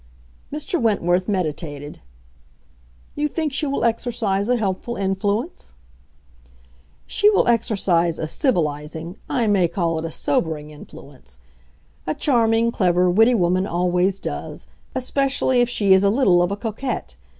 Mr. Wentworth meditated. "You think she will exercise a helpful influence?" "She will exercise a civilizing—I may call it a sobering—influence. A charming, clever, witty woman always does—especially if she is a little of a coquette.